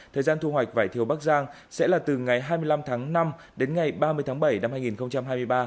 thời gian thu hoạch vải thiều bắc giang sẽ là từ ngày hai mươi năm tháng năm đến ngày ba mươi tháng bảy năm hai nghìn hai mươi ba